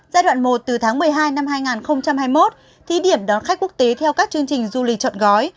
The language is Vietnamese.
giai đoạn một từ tháng một mươi hai năm hai nghìn hai mươi một thí điểm đón khách quốc tế theo các chương trình du lịch chọn gói